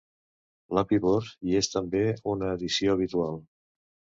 L'api bord hi és també una addició habitual.